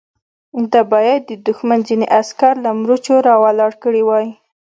ده بايد د دښمن ځينې عسکر له مورچو را ولاړ کړي وای.